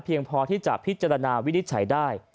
พอที่จะพิจารณาวินิจฉัยได้